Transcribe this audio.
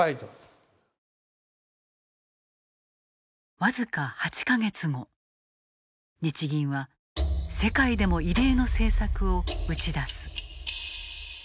僅か８か月後、日銀は世界でも異例の政策を打ち出す。